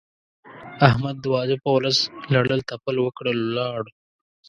احمد د واده په ورځ لړل تپل وکړل؛ ولاړ.